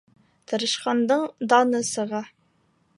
Тырышҡандың даны сыға